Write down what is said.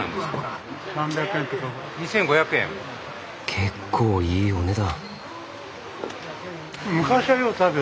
結構いいお値段。